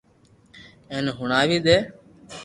ايني ھڻوا دي